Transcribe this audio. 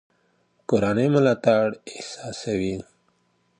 کورنۍ ملاتړ احساسوي.